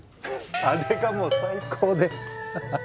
あれがもう最高でははっ。